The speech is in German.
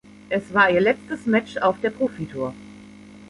Es war ihr letztes Match auf der Profitour.